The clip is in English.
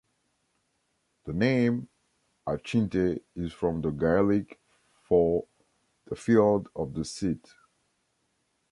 The name Achintee is from the Gaelic for "the field of the seat".